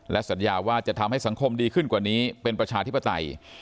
และสัญญาว่าจะทำให้สังคมดีขึ้นกว่านี้เป็นประชาธิปไตย